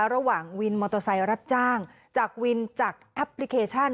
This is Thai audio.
ระหว่างวินมอเตอร์ไซค์รับจ้างจากวินจากแอปพลิเคชัน